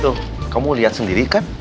tuh kamu lihat sendiri kan